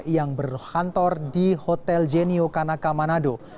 yang berkantor di hotel genio kanaka manado